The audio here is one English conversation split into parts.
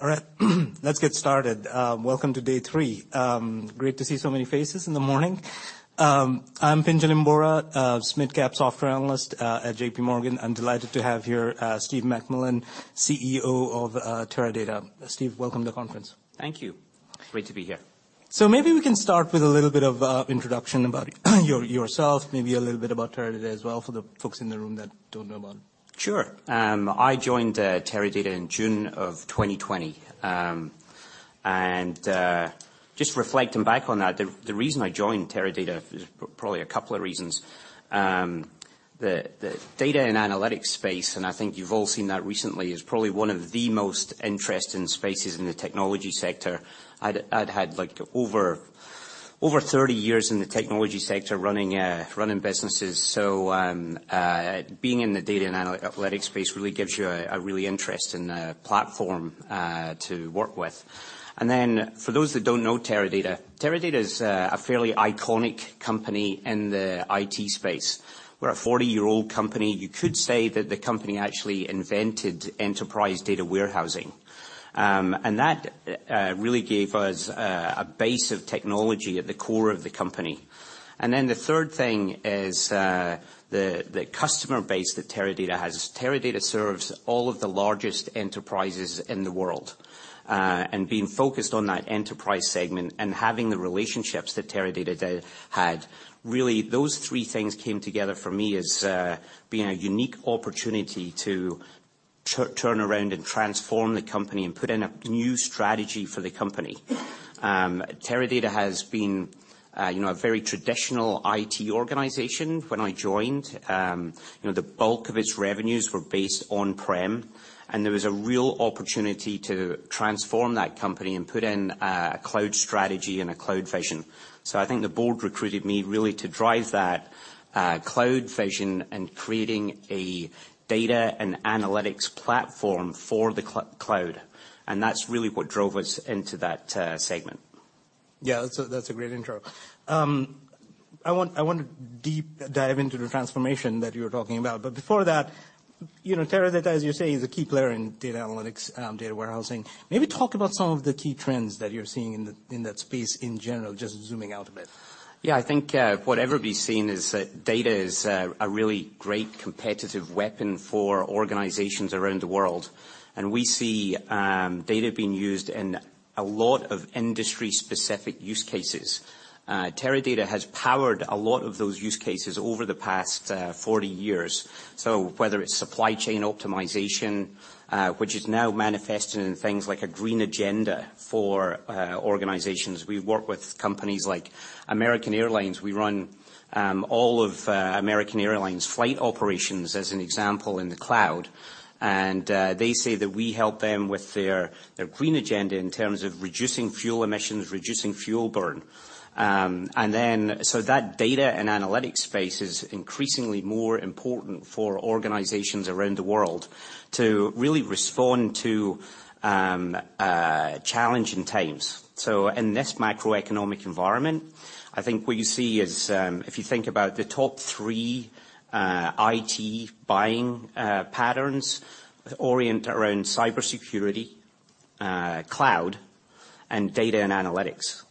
All right. Let's get started. Welcome to day three. Great to see so many faces in the morning. I'm Pinjalim Bora, a mid-cap software analyst at JPMorgan. I'm delighted to have here Steve McMillan, CEO of Teradata. Steve, welcome to the conference. Thank you. Great to be here. Maybe we can start with a little bit of a introduction about yourself, maybe a little bit about Teradata as well for the folks in the room that don't know about it. Sure. I joined Teradata in June of 2020. Just reflecting back on that, the reason I joined Teradata, there's probably a couple of reasons. The data and analytics space, I think you've all seen that recently, is probably one of the most interesting spaces in the technology sector. I'd had like over 30 years in the technology sector running businesses. Being in the data analytics space really gives you a really interesting platform to work with. For those that don't know Teradata is a fairly iconic company in the IT space. We're a 40-year-old company. You could say that the company actually invented enterprise data warehousing. That really gave us a base of technology at the core of the company. The third thing is the customer base that Teradata has. Teradata serves all of the largest enterprises in the world. Being focused on that enterprise segment and having the relationships that Teradata had, really, those three things came together for me as being a unique opportunity to turn around and transform the company and put in a new strategy for the company. Teradata has been, you know, a very traditional IT organization when I joined. You know, the bulk of its revenues were based on-prem, there was a real opportunity to transform that company and put in a cloud strategy and a cloud vision. I think the board recruited me really to drive that cloud vision and creating a data and analytics platform for the cloud. That's really what drove us into that segment. Yeah, that's a great intro. I want to deep dive into the transformation that you're talking about. Before that, you know, Teradata, as you say, is a key player in data analytics and data warehousing. Maybe talk about some of the key trends that you're seeing in that space in general, just zooming out a bit? Yeah. I think what everybody's seeing is that data is a really great competitive weapon for organizations around the world. We see data being used in a lot of industry-specific use cases. Teradata has powered a lot of those use cases over the past 40 years. Whether it's supply chain optimization, which is now manifested in things like a green agenda for organizations. We work with companies like American Airlines. We run all of American Airlines' flight operations, as an example, in the cloud. They say that we help them with their green agenda in terms of reducing fuel emissions, reducing fuel burn. That data and analytics space is increasingly more important for organizations around the world to really respond to challenging times. In this macroeconomic environment, I think what you see is, if you think about the top three IT buying patterns orient around cybersecurity, cloud, and data and analytics.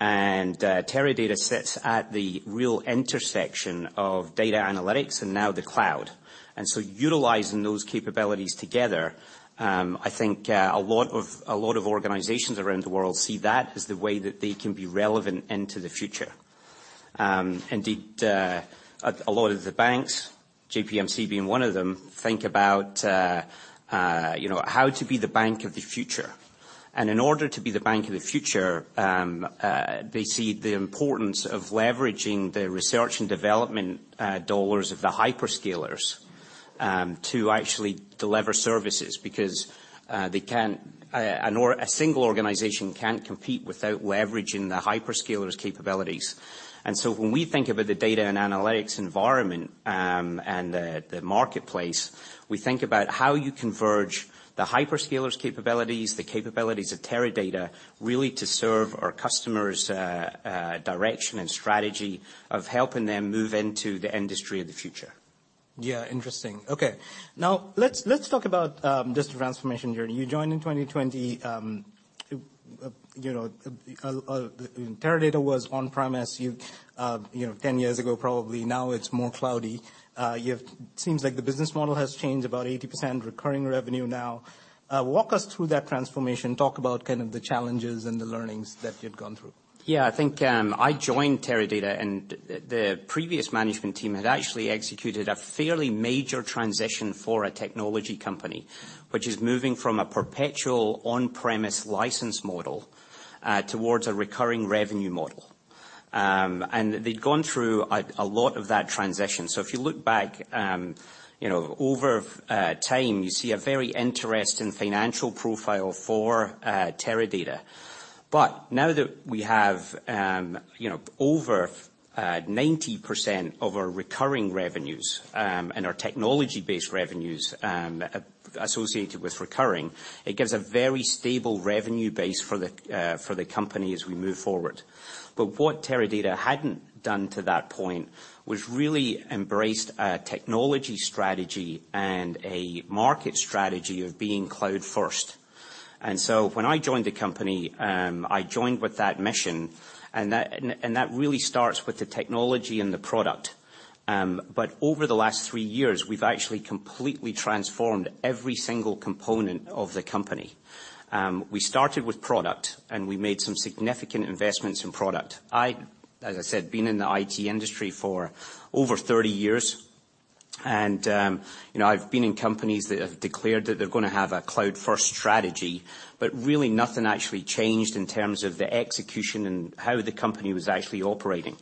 Teradata sits at the real intersection of data analytics and now the cloud. Utilizing those capabilities together, I think a lot of organizations around the world see that as the way that they can be relevant into the future. Indeed, a lot of the banks, JPMC being one of them, think about, you know, how to be the bank of the future. In order to be the bank of the future, they see the importance of leveraging the research and development dollars of the hyperscalers to actually deliver services because they can't... A single organization can't compete without leveraging the hyperscalers' capabilities. When we think about the data and analytics environment, and the marketplace, we think about how you converge the hyperscalers' capabilities, the capabilities of Teradata, really to serve our customers' direction and strategy of helping them move into the industry of the future. Yeah, interesting. Okay. Let's talk about just the transformation journey. You joined in 2020. You know, Teradata was on-premise, you know, 10 years ago, probably. It's more cloudy. Seems like the business model has changed about 80% recurring revenue now. Walk us through that transformation. Talk about kind of the challenges and the learnings that you've gone through. Yeah. I think I joined Teradata, the previous management team had actually executed a fairly major transition for a technology company, which is moving from a perpetual on-premise license model towards a recurring revenue model. They'd gone through a lot of that transition. If you look back, you know, over time, you see a very interesting financial profile for Teradata. Now that we have, you know, over 90% of our recurring revenues, and our technology-based revenues associated with recurring. It gives a very stable revenue base for the company as we move forward. What Teradata hadn't done to that point was really embraced a technology strategy and a market strategy of being cloud first. When I joined the company, I joined with that mission, and that, and that really starts with the technology and the product. Over the last three years, we've actually completely transformed every single component of the company. We started with product, and we made some significant investments in product. As I said, been in the IT industry for over 30 years, and, you know, I've been in companies that have declared that they're gonna have a cloud first strategy, but really nothing actually changed in terms of the execution and how the company was actually operating.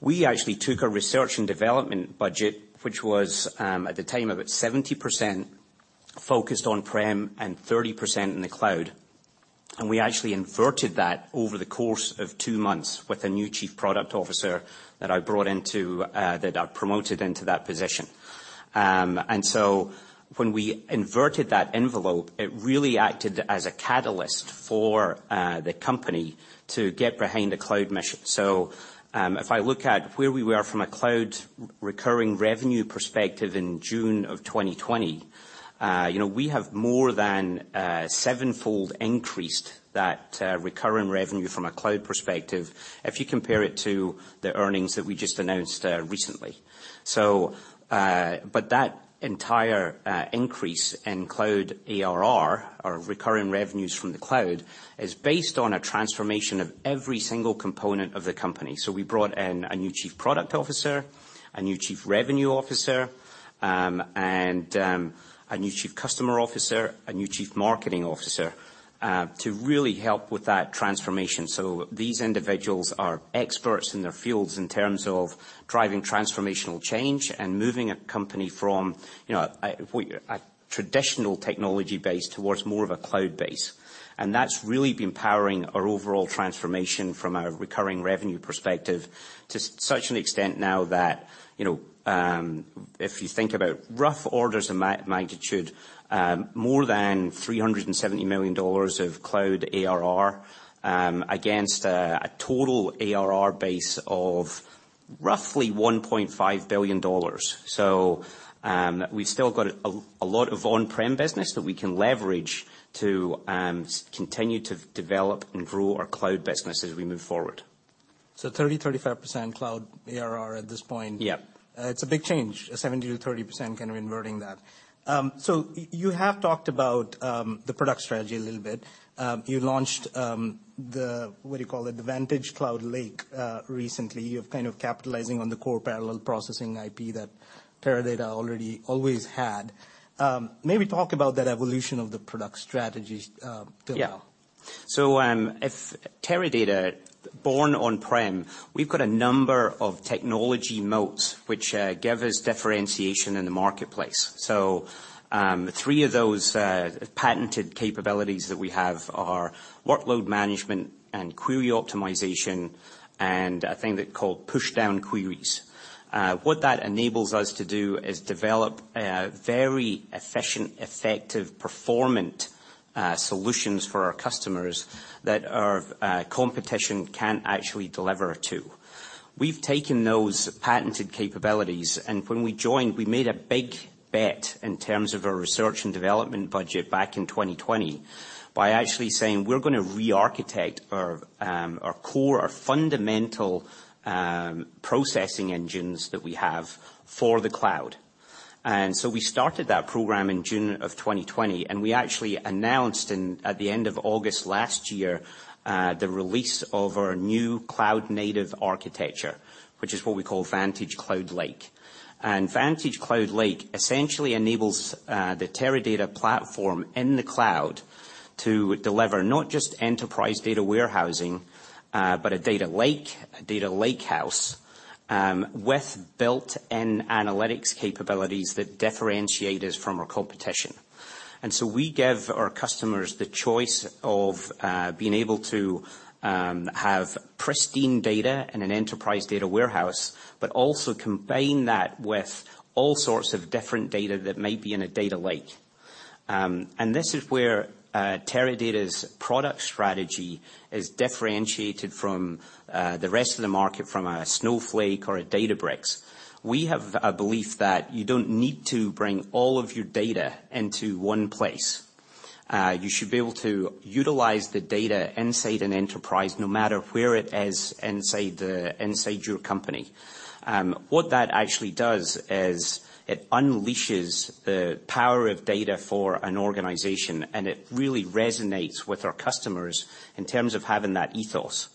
We actually took a research and development budget, which was, at the time, about 70% focused on-prem and 30% in the cloud, and we actually inverted that over the course of two months with a new chief product officer that I brought into, that I've promoted into that position. When we inverted that envelope, it really acted as a catalyst for the company to get behind the cloud mission. If I look at where we were from a cloud re-recurring revenue perspective in June of 2020, you know, we have more than 7-fold increased that recurring revenue from a cloud perspective if you compare it to the earnings that we just announced recently. That entire increase in cloud ARR or recurring revenues from the cloud is based on a transformation of every single component of the company. We brought in a new chief product officer, a new chief revenue officer, and a new chief customer officer, a new chief marketing officer, to really help with that transformation. These individuals are experts in their fields in terms of driving transformational change and moving a company from, you know, a traditional technology base towards more of a cloud base. That's really been powering our overall transformation from a recurring revenue perspective to such an extent now that, you know, if you think about rough orders of magnitude, more than $370 million of cloud ARR, against a total ARR base of roughly $1.5 billion. We've still got a lot of on-prem business that we can leverage to continue to develop and grow our cloud business as we move forward. 30%-35% cloud ARR at this point. Yeah. It's a big change, 70%-30% kind of inverting that. You have talked about the product strategy a little bit. You launched what do you call it? The VantageCloud Lake recently. You're kind of capitalizing on the core parallel processing IP that Teradata already always had. Maybe talk about that evolution of the product strategy till now? Yeah. If Teradata born on-prem, we've got a number of technology moats which give us differentiation in the marketplace. Three of those patented capabilities that we have are Workload Management and query optimization, and a thing they call push down queries. What that enables us to do is develop a very efficient, effective performant solutions for our customers that our competition can't actually deliver to. We've taken those patented capabilities, and when we joined, we made a big bet in terms of our research and development budget back in 2020 by actually saying, "We're gonna re-architect our core, our fundamental processing engines that we have for the cloud." We started that program in June of 2020, and we actually announced at the end of August last year, the release of our new cloud-native architecture, which is what we call VantageCloud Lake. VantageCloud Lake essentially enables the Teradata platform in the cloud to deliver not just enterprise data warehousing, but a data lake, a data lakehouse, with built-in analytics capabilities that differentiate us from our competition. We give our customers the choice of being able to have pristine data in an enterprise data warehousing, but also combine that with all sorts of different data that may be in a data lake. This is where Teradata's product strategy is differentiated from the rest of the market from a Snowflake or a Databricks. We have a belief that you don't need to bring all of your data into one place. You should be able to utilize the data inside an enterprise no matter where it is inside your company. What that actually does is it unleashes the power of data for an organization, and it really resonates with our customers in terms of having that ethos.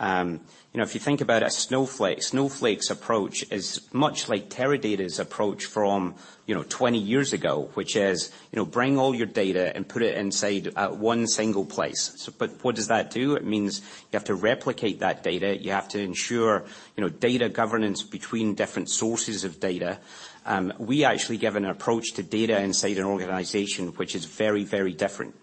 you know, if you think about a Snowflake's approach is much like Teradata's approach from, you know, 20 years ago, which is, you know, bring all your data and put it inside at one single place. What does that do? It means you have to replicate that data. You have to ensure, you know, data governance between different sources of data. We actually give an approach to data inside an organization which is very, very different.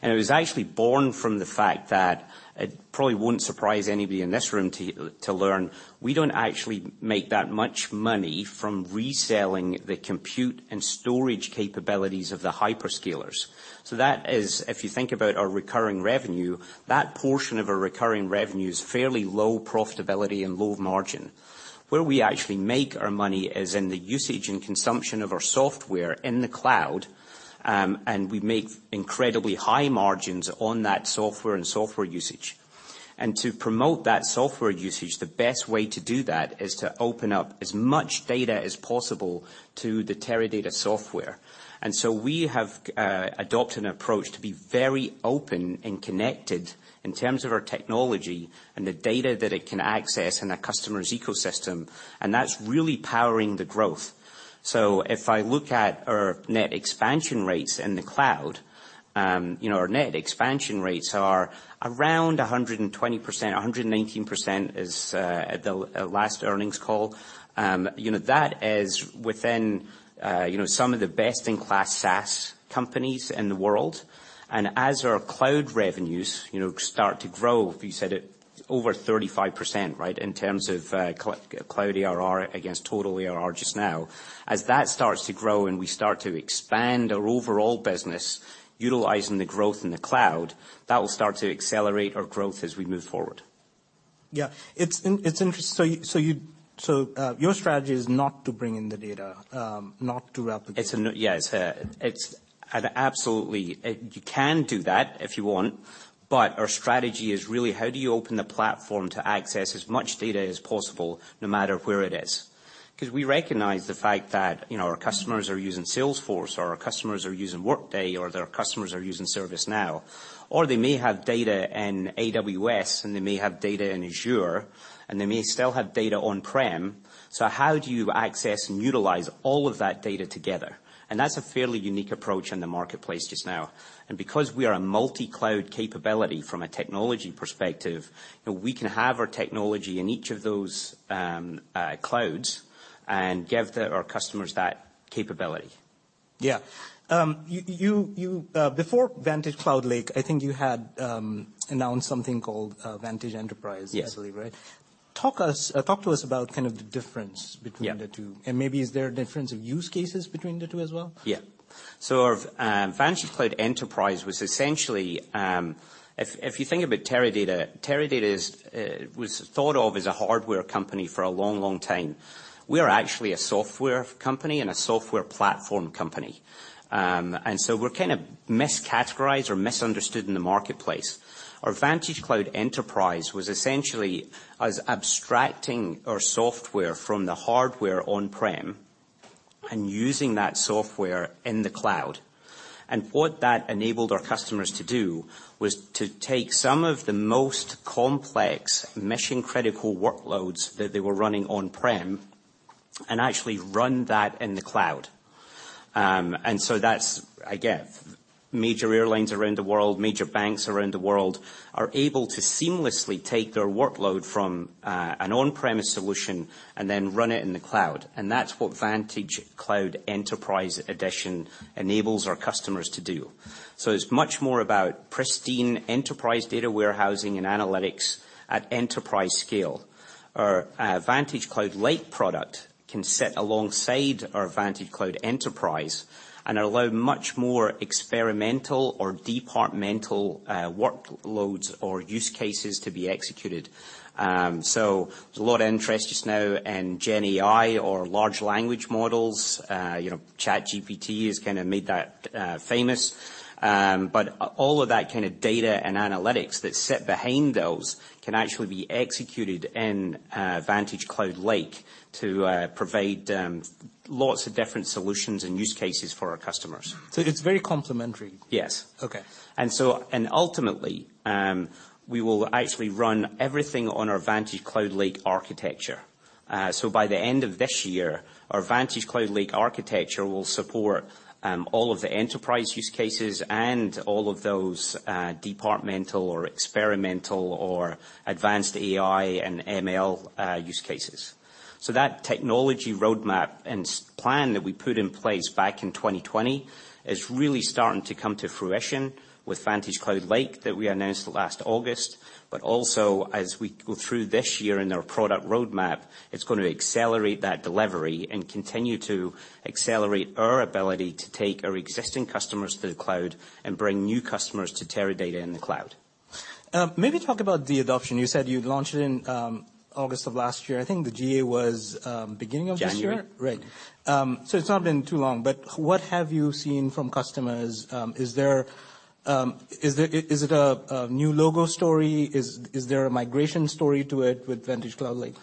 It was actually born from the fact that it probably won't surprise anybody in this room to learn we don't actually make that much money from reselling the compute and storage capabilities of the hyperscalers. That is, if you think about our recurring revenue, that portion of our recurring revenue is fairly low profitability and low margin. Where we actually make our money is in the usage and consumption of our software in the cloud, and we make incredibly high margins on that software and software usage. To promote that software usage, the best way to do that is to open up as much data as possible to the Teradata software. We have adopted an approach to be very open and connected in terms of our technology and the data that it can access in a customer's ecosystem, and that's really powering the growth. If I look at our net expansion rates in the cloud, you know, our net expansion rates are around 120%. 119% is at the last earnings call. You know, that is within, you know, some of the best-in-class SaaS companies in the world. As our cloud revenues, you know, start to grow, we said it over 35%, right, in terms of cloud ARR against total ARR just now. As that starts to grow and we start to expand our overall business utilizing the growth in the cloud, that will start to accelerate our growth as we move forward. Yeah. Your strategy is not to bring in the data, not to replicate. Yes. It's. Absolutely, you can do that if you want, but our strategy is really how do you open the platform to access as much data as possible no matter where it is. 'Cause we recognize the fact that, you know, our customers are using Salesforce, or our customers are using Workday, or their customers are using ServiceNow, or they may have data in AWS, and they may have data in Azure, and they may still have data on-prem, so how do you access and utilize all of that data together? That's a fairly unique approach in the marketplace just now. Because we are a multi-cloud capability from a technology perspective, you know, we can have our technology in each of those clouds and give our customers that capability. Yeah. you, before VantageCloud Lake, I think you had announced something called Vantage Enterprise- Yes -if I believe right. Talk to us about kind of the difference between- Yeah -the two, maybe is there a difference of use cases between the two as well? Our VantageCloud Enterprise was essentially, if you think about Teradata is was thought of as a hardware company for a long, long time. We are actually a software company and a software platform company. We're kinda miscategorized or misunderstood in the marketplace. Our VantageCloud Enterprise was essentially us abstracting our software from the hardware on-prem and using that software in the cloud. What that enabled our customers to do was to take some of the most complex mission-critical workloads that they were running on-prem and actually run that in the cloud. That's, again, major airlines around the world, major banks around the world are able to seamlessly take their workload from an on-premise solution and then run it in the cloud, and that's what VantageCloud Enterprise edition enables our customers to do. It's much more about pristine enterprise data warehousing and analytics at enterprise scale. Our VantageCloud Lake product can sit alongside our VantageCloud Enterprise and allow much more experimental or departmental workloads or use cases to be executed. There's a lot of interest just now in GenAI or large language models. You know, ChatGPT has kinda made that famous. But all of that kind of data and analytics that sit behind those can actually be executed in VantageCloud Lake to provide lots of different solutions and use cases for our customers. It's very complementary. Yes. Okay. Ultimately, we will actually run everything on our VantageCloud Lake architecture. By the end of this year, our VantageCloud Lake architecture will support all of the enterprise use cases and all of those departmental or experimental or advanced AI and ML use cases. That technology roadmap and plan that we put in place back in 2020 is really starting to come to fruition with VantageCloud Lake that we announced last August. Also, as we go through this year in our product roadmap, it's gonna accelerate that delivery and continue to accelerate our ability to take our existing customers to the cloud and bring new customers to Teradata in the cloud. Maybe talk about the adoption. You said you'd launch it in August of last year. I think the GA was beginning of this year? January. Right. It's not been too long, but what have you seen from customers? Is it a new logo story? Is there a migration story to it with VantageCloud Lake?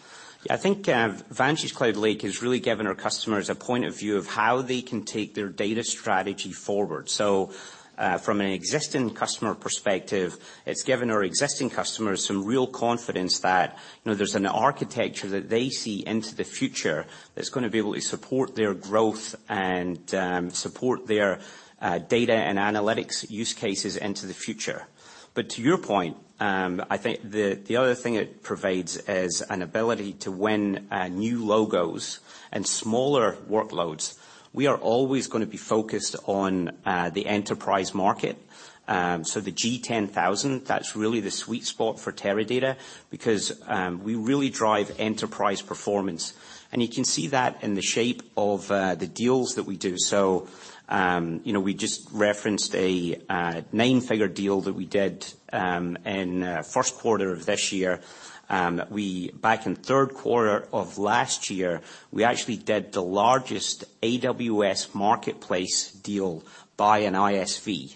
I think VantageCloud Lake has really given our customers a point of view of how they can take their data strategy forward. From an existing customer perspective, it's given our existing customers some real confidence that, you know, there's an architecture that they see into the future that's gonna be able to support their growth and support their data and analytics use cases into the future. To your point, I think the other thing it provides is an ability to win new logos and smaller workloads. We are always gonna be focused on the enterprise market. The Global 10,000, that's really the sweet spot for Teradata because we really drive enterprise performance. You can see that in the shape of the deals that we do. You know, we just referenced a nine-figure deal that we did in Q1 of this year. Back in Q3 of last year, we actually did the largest AWS Marketplace deal by an ISV,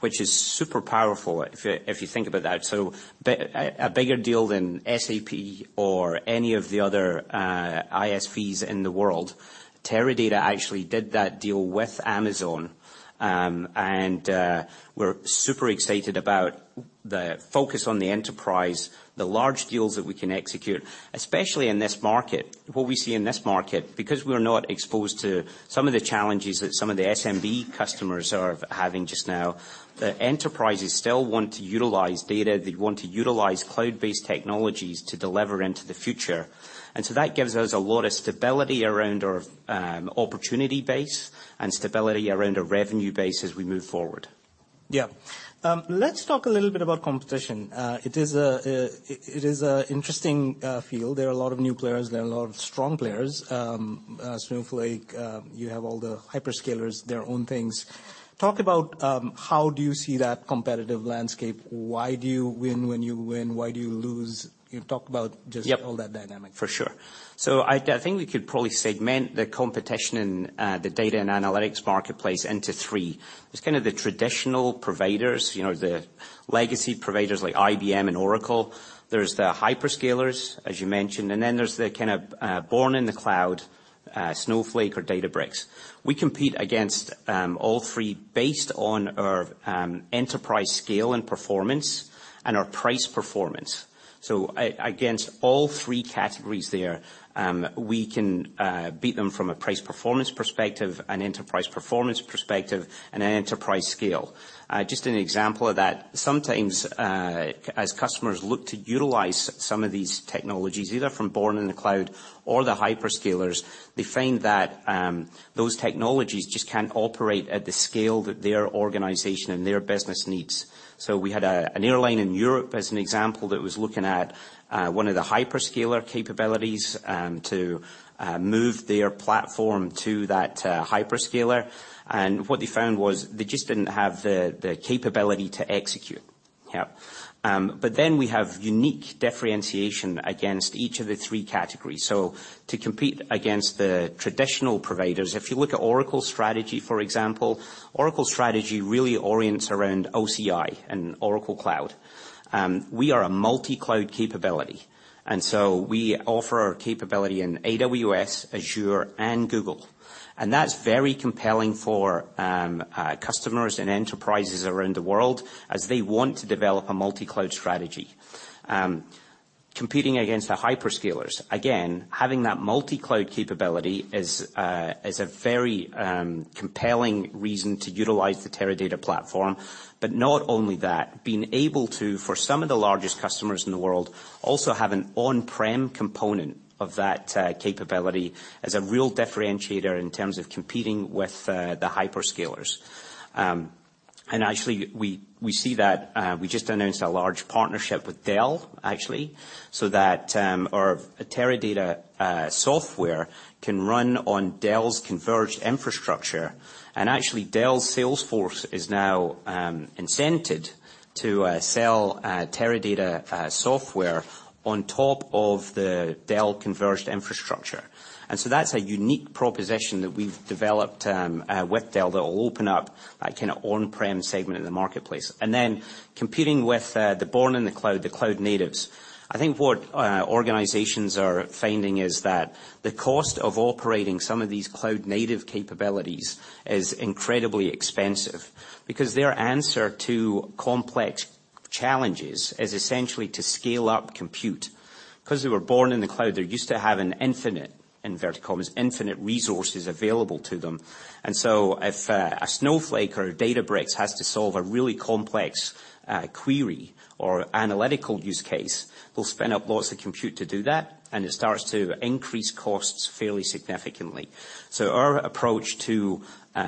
which is super powerful if you think about that. A bigger deal than SAP or any of the other ISVs in the world. Teradata actually did that deal with Amazon. We're super excited about the focus on the enterprise, the large deals that we can execute, especially in this market. What we see in this market, because we're not exposed to some of the challenges that some of the SMB customers are having just now, the enterprises still want to utilize data. They want to utilize cloud-based technologies to deliver into the future. That gives us a lot of stability around our opportunity base and stability around our revenue base as we move forward. Yeah. Let's talk a little bit about competition. It is a, it is an interesting field. There are a lot of new players. There are a lot of strong players. Snowflake, you have all the hyperscalers, their own things. Talk about how do you see that competitive landscape? Why do you win when you win? Why do you lose? You know, talk about. Yep all that dynamic. For sure. I think we could probably segment the competition in the data and analytics marketplace into three. There's kind of the traditional providers, you know, the legacy providers like IBM and Oracle. There's the hyperscalers, as you mentioned, there's the kind of born in the cloud, Snowflake or Databricks. We compete against 3 based on our enterprise scale and performance and our price performance. Against all three categories there, we can beat them from a price performance perspective, an enterprise performance perspective, and an enterprise scale. Just an example of that, sometimes, as customers look to utilize some of these technologies, either from born in the cloud or the hyperscalers, they find that those technologies just can't operate at the scale that their organization and their business needs. We had an airline in Europe, as an example, that was looking at one of the hyperscaler capabilities to move their platform to that hyperscaler. What they found was they just didn't have the capability to execute. Yeah. We have unique differentiation against each of the three categories. To compete against the traditional providers, if you look at Oracle's strategy, for example, Oracle's strategy really orients around OCI and Oracle Cloud. We are a multi-cloud capability, we offer our capability in AWS, Azure, and Google. That's very compelling for customers and enterprises around the world as they want to develop a multi-cloud strategy. Competing against the hyperscalers, again, having that multi-cloud capability is a very compelling reason to utilize the Teradata platform. Not only that, being able to, for some of the largest customers in the world, also have an on-prem component of that, capability is a real differentiator in terms of competing with, the hyperscalers. Actually we see that, we just announced a large partnership with Dell, actually, so that our Teradata software can run on Dell's converged infrastructure. Actually, Dell's sales force is now incented to sell, Teradata software on top of the Dell converged infrastructure. That's a unique proposition that we've developed with Dell that will open up that kinda on-prem segment of the marketplace. Competing with, the born in the cloud, the cloud natives. I think what organizations are finding is that the cost of operating some of these cloud native capabilities is incredibly expensive because their answer to complex challenges is essentially to scale up compute. 'Cause they were born in the cloud, they're used to having infinite, in inverted commas, infinite resources available to them. If a Snowflake or a Databricks has to solve a really complex query or analytical use case, they'll spin up lots of compute to do that, and it starts to increase costs fairly significantly. Our approach to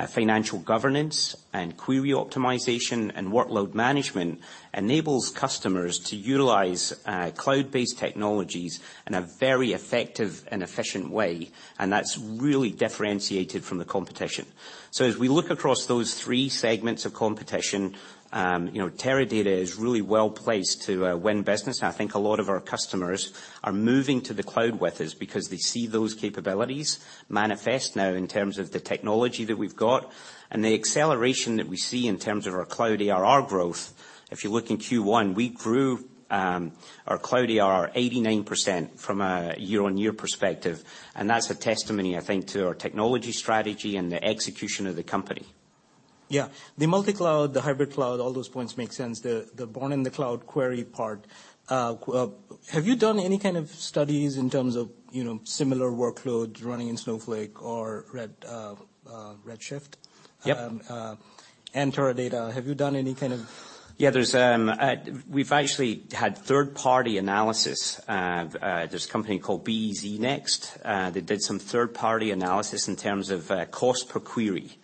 financial governance and query optimization and workload management enables customers to utilize cloud-based technologies in a very effective and efficient way, and that's really differentiated from the competition. As we look across those three segments of competition, you know, Teradata is really well placed to win business. I think a lot of our customers are moving to the cloud with us because they see those capabilities manifest now in terms of the technology that we've got and the acceleration that we see in terms of our cloud ARR growth. If you look in Q1, we grew our cloud ARR 89% from a year-over-year perspective, and that's a testimony, I think, to our technology strategy and the execution of the company. Yeah. The multi-cloud, the hybrid cloud, all those points make sense. The born in the cloud query part. Have you done any kind of studies in terms of, you know, similar workloads running in Snowflake or Redshift? Yep. Teradata. Have you done any kind of? Yeah. There's we've actually had third-party analysis. There's a company called BEZNext that did some third-party analysis in terms of cost per query.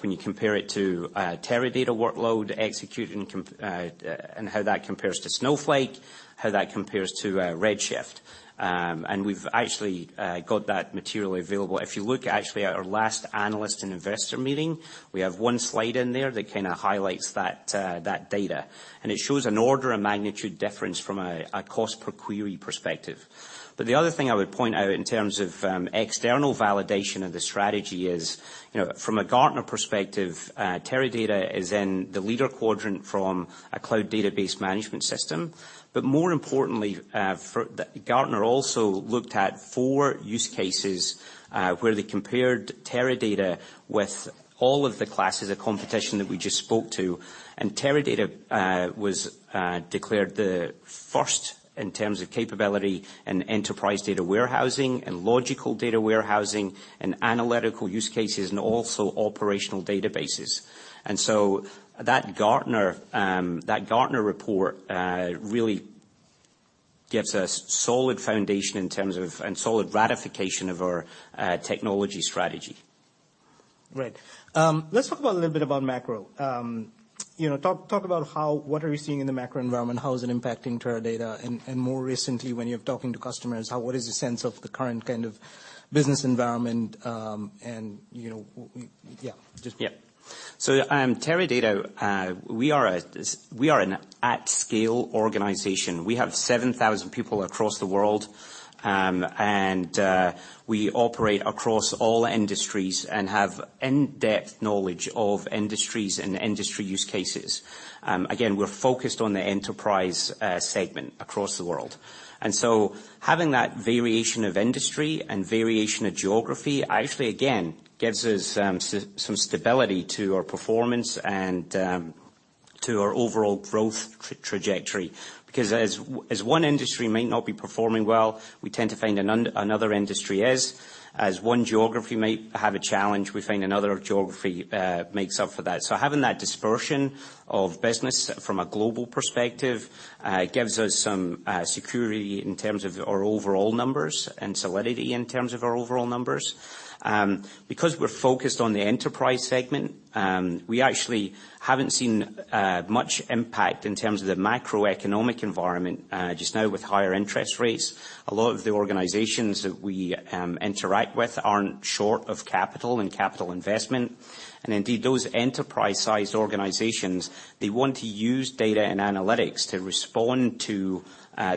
When you compare it to Teradata workload execution and how that compares to Snowflake, how that compares to Redshift. We've actually got that material available. If you look actually at our last analyst and investor meeting, we have one slide in there that kinda highlights that data, and it shows an order of magnitude difference from a cost per query perspective. The other thing I would point out in terms of external validation of the strategy is, you know, from a Gartner perspective, Teradata is in the leader quadrant from a cloud database management system. More importantly, Gartner also looked at four use cases where they compared Teradata with all of the classes of competition that we just spoke to. Teradata was declared the first in terms of capability in enterprise data warehousing and logical data warehousing and analytical use cases, and also operational databases. That Gartner, that Gartner report really gives us solid foundation in terms of, and solid ratification of our technology strategy. Right. Let's talk about a little bit about macro. You know, talk about what are you seeing in the macro environment, how is it impacting Teradata, and more recently when you're talking to customers, what is the sense of the current kind of business environment, and, you know? Teradata, we are an at-scale organization. We have 7,000 people across the world, we operate across all industries and have in-depth knowledge of industries and industry use cases. Again, we're focused on the enterprise segment across the world. Having that variation of industry and variation of geography actually again gives us some stability to our performance and to our overall growth trajectory. As one industry might not be performing well, we tend to find another industry is. As one geography might have a challenge, we find another geography makes up for that. Having that dispersion of business from a global perspective gives us some security in terms of our overall numbers and solidity in terms of our overall numbers. Because we're focused on the enterprise segment, we actually haven't seen much impact in terms of the macroeconomic environment, just now with higher interest rates. A lot of the organizations that we interact with aren't short of capital and capital investment. Indeed, those enterprise-sized organizations, they want to use data and analytics to respond to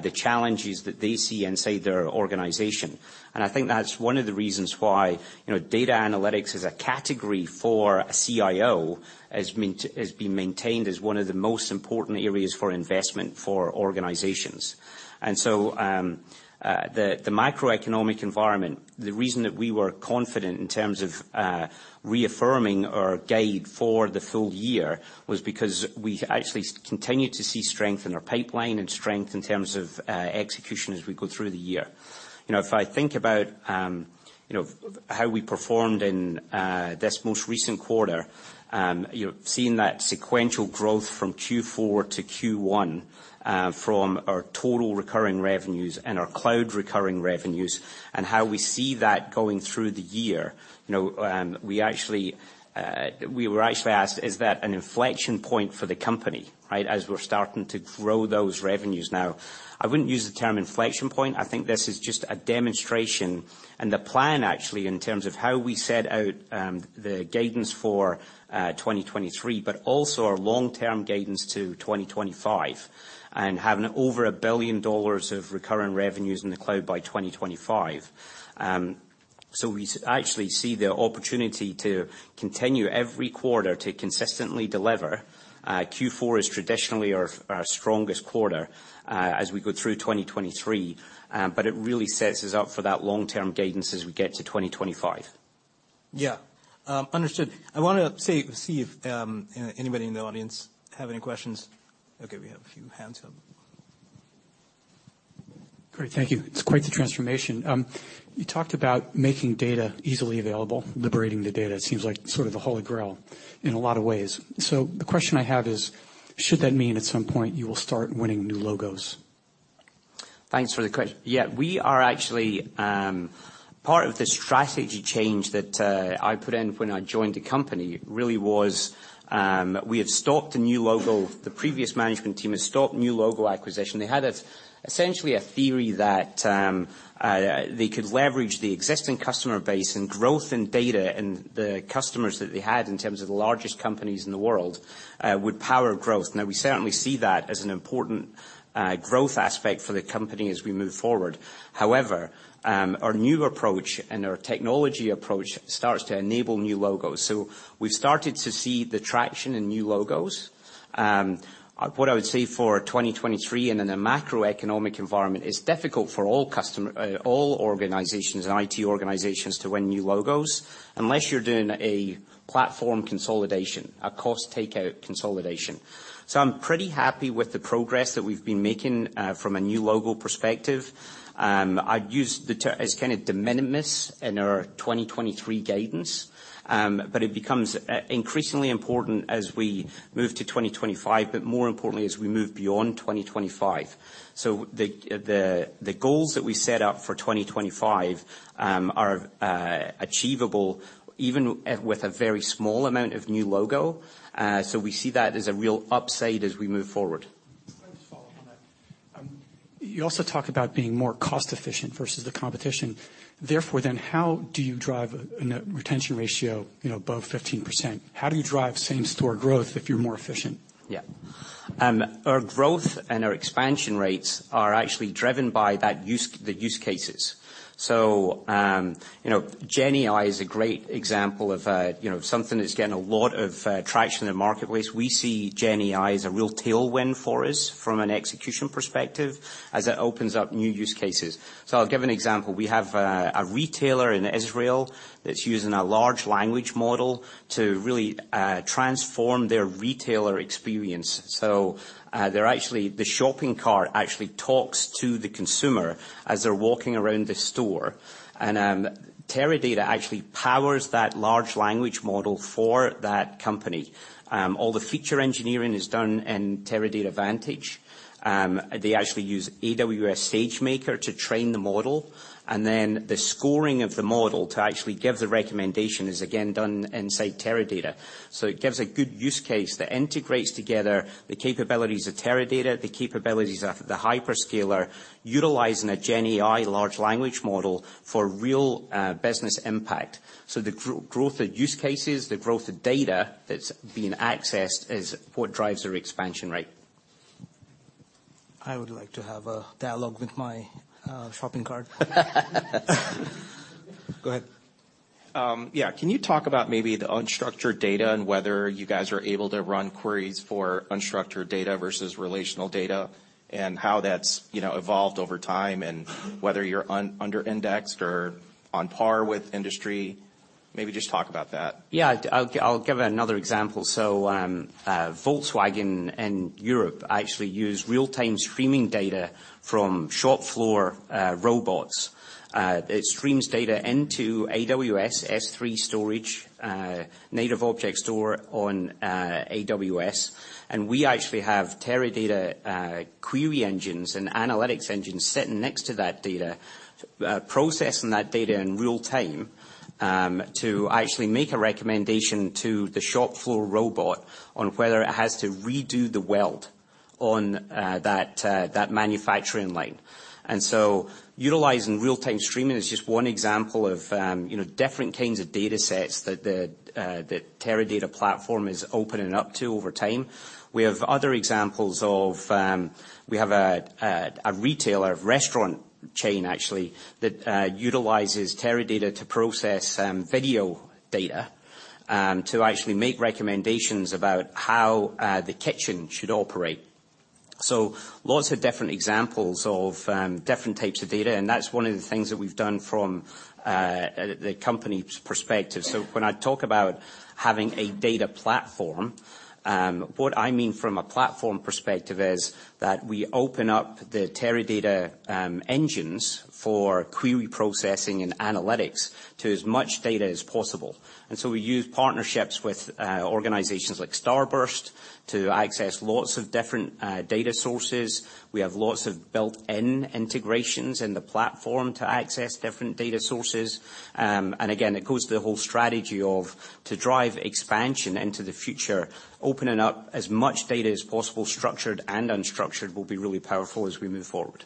the challenges that they see inside their organization. I think that's one of the reasons why, you know, data analytics as a category for a CIO has been maintained as one of the most important areas for investment for organizations. The macroeconomic environment, the reason that we were confident in terms of reaffirming our guide for the full year was because we actually continued to see strength in our pipeline and strength in terms of execution as we go through the year. You know, if I think about, you know, how we performed in this most recent quarter, you know, seeing that sequential growth from Q4 to Q1, from our total recurring revenues and our cloud recurring revenues, and how we see that going through the year. You know, we actually, we were actually asked, "Is that an inflection point for the company?" Right? As we're starting to grow those revenues now. I wouldn't use the term inflection point. I think this is just a demonstration and the plan actually in terms of how we set out the guidance for 2023, but also our long-term guidance to 2025, and having over $1 billion of recurring revenues in the cloud by 2025. We actually see the opportunity to continue every quarter to consistently deliver. Q4 is traditionally our strongest quarter as we go through 2023. It really sets us up for that long-term guidance as we get to 2025. Yeah. Understood. I wanna see if anybody in the audience have any questions. We have a few hands up. Great. Thank you. It's quite the transformation. You talked about making data easily available, liberating the data, it seems like sort of the holy grail in a lot of ways. The question I have is: should that mean at some point you will start winning new logos? Yeah, we are actually, Part of the strategy change that I put in when I joined the company really was, we had stopped a new logo. The previous management team had stopped new logo acquisition. They had essentially a theory that they could leverage the existing customer base and growth in data, and the customers that they had in terms of the largest companies in the world, would power growth. We certainly see that as an important growth aspect for the company as we move forward. Our new approach and our technology approach starts to enable new logos. We've started to see the traction in new logos. What I would say for 2023 in a macroeconomic environment, it's difficult for all organizations and IT organizations to win new logos unless you're doing a platform consolidation, a cost takeout consolidation. I'm pretty happy with the progress that we've been making from a new logo perspective. I'd use de minimis in our 2023 guidance, but it becomes increasingly important as we move to 2025, but more importantly, as we move beyond 2025. The goals that we set out for 2025 are achievable even with a very small amount of new logo. We see that as a real upside as we move forward. Can I just follow up on that? You also talk about being more cost-efficient versus the competition. Therefore, how do you drive a net retention ratio, you know, above 15%? How do you drive same-store growth if you're more efficient? Yeah. Our growth and our expansion rates are actually driven by the use cases. You know, GenAI is a great example of something that's getting a lot of traction in the marketplace. We see GenAI as a real tailwind for us from an execution perspective as it opens up new use cases. I'll give an example. We have a retailer in Israel that's using a large language model to really transform their retailer experience. The shopping cart actually talks to the consumer as they're walking around the store. Teradata actually powers that large language model for that company. All the feature engineering is done in Teradata Vantage. They actually use Amazon SageMaker to train the model, and then the scoring of the model to actually give the recommendation is again done inside Teradata. It gives a good use case that integrates together the capabilities of Teradata, the capabilities of the hyperscaler, utilizing a GenAI large language model for real business impact. The growth of use cases, the growth of data that's being accessed is what drives our expansion rate. I would like to have a dialogue with my shopping cart. Go ahead. Yeah. Can you talk about maybe the unstructured data and whether you guys are able to run queries for unstructured data versus relational data and how that's, you know, evolved over time and whether you're under indexed or on par with industry? Maybe just talk about that. Yeah. I'll give another example. Volkswagen in Europe actually use real-time streaming data from shop floor robots. It streams data into AWS S3 storage, Native Object Store on AWS. We actually have Teradata query engines and analytics engines sitting next to that data, processing that data in real time, to actually make a recommendation to the shop floor robot on whether it has to redo the weld on that manufacturing line. Utilizing real-time streaming is just one example of, you know, different kinds of datasets that the Teradata platform is opening up to over time. We have other examples of, we have a retailer, a restaurant chain actually, that utilizes Teradata to process video data, to actually make recommendations about how the kitchen should operate. Lots of different examples of different types of data, and that's one of the things that we've done from the company's perspective. When I talk about having a data platform, what I mean from a platform perspective is that we open up the Teradata engines for query processing and analytics to as much data as possible. We use partnerships with organizations like Starburst to access lots of different data sources. We have lots of built-in integrations in the platform to access different data sources. Again, it goes to the whole strategy of to drive expansion into the future, opening up as much data as possible, structured and unstructured, will be really powerful as we move forward.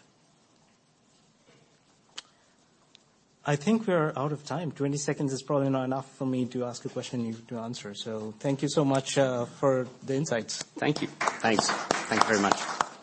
I think we're out of time. 20 seconds is probably not enough for me to ask a question, you to answer. Thank you so much for the insights. Thank you. Thanks. Thank you very much.